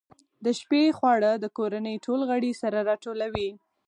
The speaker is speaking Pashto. د شپې خواړه د کورنۍ ټول غړي سره راټولوي.